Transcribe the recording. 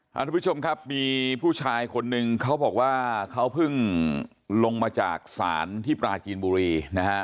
ทุกผู้ชมครับมีผู้ชายคนนึงเขาบอกว่าเขาเพิ่งลงมาจากศาลที่ปราจีนบุรีนะฮะ